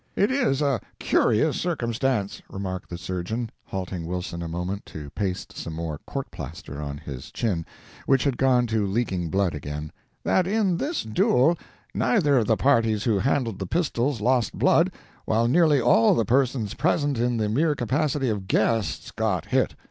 "It is a curious circumstance," remarked the surgeon, halting Wilson a moment to paste some more court plaster on his chin, which had gone to leaking blood again, "that in this duel neither of the parties who handled the pistols lost blood while nearly all the persons present in the mere capacity of guests got hit.